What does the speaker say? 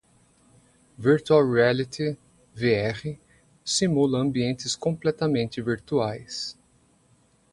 Virtual Reality (VR) simula ambientes completamente virtuais.